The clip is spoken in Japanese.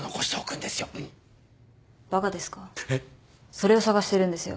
それを探してるんですよ。